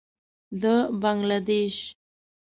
د بنګله دېش.